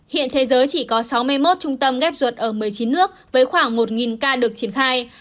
hiện thế giới chỉ có sáu mươi một trung tâm ghép ruột ở một mươi chín nước với khoảng một ca được triển khai